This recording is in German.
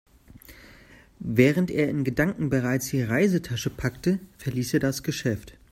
Während er in Gedanken bereits die Reisetasche packte, verließ er das Geschäft.